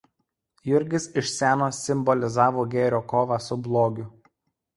Jurgis iš seno simbolizavo gėrio kovą su blogiu.